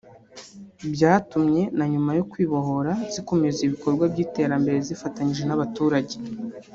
byatumye na nyuma yo kwibohora zikomeza ibikorwa by’iterambere zifatanyije n’abaturage